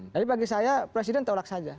jadi bagi saya presiden tolak saja